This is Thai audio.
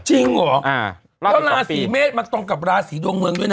จริงเหรอแล้วราศีเมษมันตรงกับราศีดวงเมืองด้วยนะ